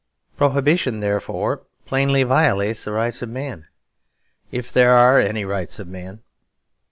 Prohibition, therefore, plainly violates the rights of man, if there are any rights of man.